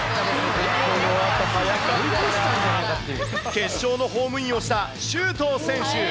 決勝のホームインをした周東選手。